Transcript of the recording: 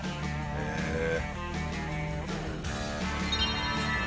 へえ。